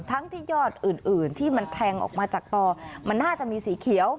ทั้งที่ยอดอื่นที่มันแทงออกมาจากต่อมันน่าจะมีสีเขียว